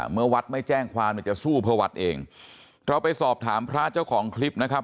เมื่อวัดไม่แจ้งความเนี่ยจะสู้เพื่อวัดเองเราไปสอบถามพระเจ้าของคลิปนะครับ